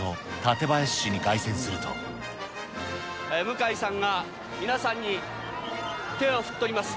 向井さんが、皆さんに手を振っております。